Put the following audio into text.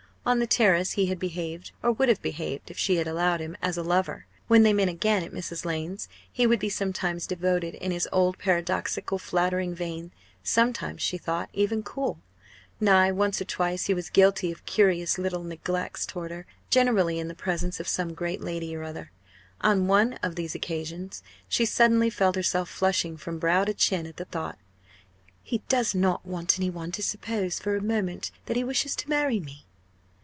On the Terrace he had behaved, or would have behaved, if she had allowed him, as a lover. When they met again at Mrs. Lane's he would be sometimes devoted in his old paradoxical, flattering vein; sometimes, she thought, even cool. Nay, once or twice he was guilty of curious little neglects towards her, generally in the presence of some great lady or other. On one of these occasions she suddenly felt herself flushing from brow to chin at the thought "He does not want any one to suppose for a moment that he wishes to marry me!"